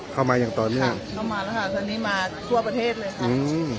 มาอย่างต่อเนื่องเข้ามาแล้วค่ะตอนนี้มาทั่วประเทศเลยค่ะอืม